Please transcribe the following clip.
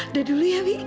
udah dulu ya wi